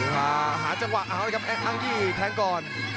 ฮาหาจังหวะแล้วก็อังยือแทงก่อน